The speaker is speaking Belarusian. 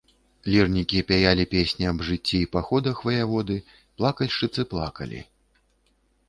Лірнікі пяялі песні аб жыцці і паходах ваяводы, плакальшчыцы плакалі.